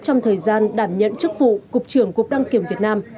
trong thời gian đảm nhận chức vụ cục trưởng cục đăng kiểm việt nam